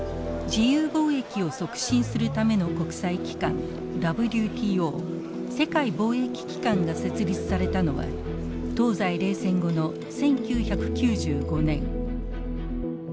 自由貿易を促進するための国際機関ＷＴＯ世界貿易機関が設立されたのは東西冷戦後の１９９５年。